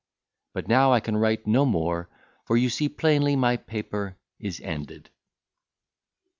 But now I can write no more, for you see plainly my paper is ended.